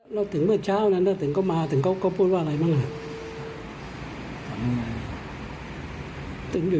รู้จักกันดีดีนะ